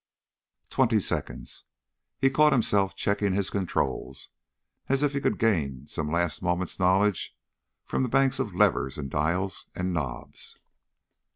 "Twenty seconds...." He caught himself checking his controls, as if he could gain some last moment's knowledge from the banks of levers and dials and knobs.